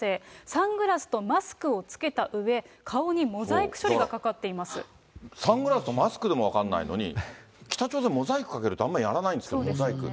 サングラスとマスクを着けたうえ、サングラスとマスクでも分かんないのに、北朝鮮、モザイクかけるとかあんまりやらないんですけれども、モザイク。